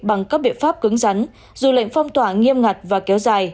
bằng các biện pháp cứng rắn dù lệnh phong tỏa nghiêm ngặt và kéo dài